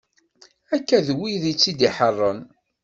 Akka d wid i t-id-iḥeṛṛen.